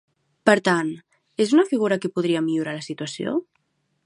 Per tant, és una figura que podria millorar la situació?